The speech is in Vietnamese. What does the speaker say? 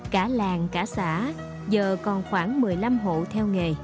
cả làng cả xã giờ còn khoảng một mươi năm hộ theo nghề